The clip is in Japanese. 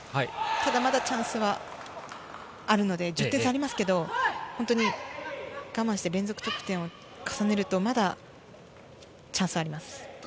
ただまだチャンスはあるので、１０点差がありますけど、我慢して、連続得点を重ねるとまだチャンスはあります。